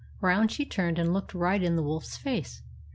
Round she turned and looked right in the wolf's face.